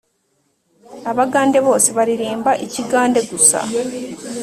Abagande bose baririmba ikigande gusa